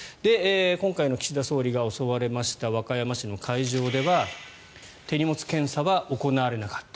今回の岸田総理が襲われました和歌山市の会場では手荷物検査は行われなかった。